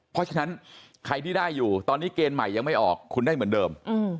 เพราะฉะนั้นใครที่ได้อยู่ตอนนี้เกณฑ์ใหม่ยังไม่ออกคุณได้เหมือนเดิม